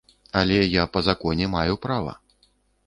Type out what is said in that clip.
Але я па законе маю права.